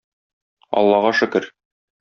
Аллага шөкер!